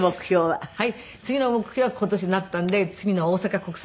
次の目標は今年なったんで次の大阪国際女子マラソン。